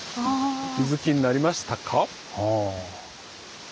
お気付きになりましたか？